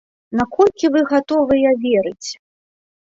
Наколькі вы гатовыя верыць?